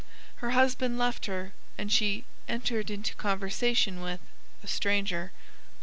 Her husband left her, and she 'entered into conversation with' a stranger."